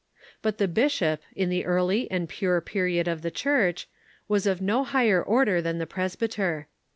But the bishop, in the early and pure period of the Church, Avas of no higher order than the presbyter.